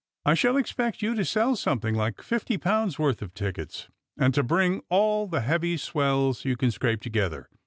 I shall expect you to sell something like fifty pounds worth of tickets, and to bring all the hoavy swells vou can scrape together.